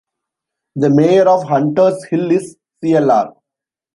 The Mayor of Hunters Hill is Clr.